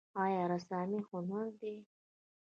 آیا رسامي هنر دی؟